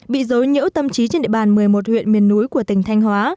bị dối nhiễu tâm trí trên địa bàn một mươi một huyện miền núi của tỉnh thanh hóa